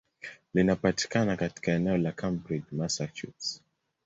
Linapatikana katika eneo la Cambridge, Massachusetts.